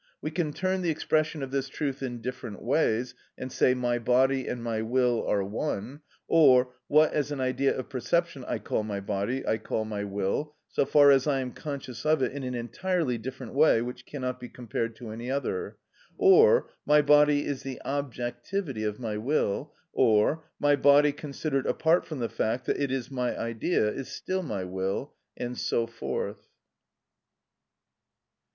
We can turn the expression of this truth in different ways and say: My body and my will are one;—or, What as an idea of perception I call my body, I call my will, so far as I am conscious of it in an entirely different way which cannot be compared to any other;—or, My body is the objectivity of my will;—or, My body considered apart from the fact that it is my idea is still my will, and so forth.